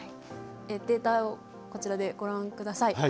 データをこちらでご覧ください。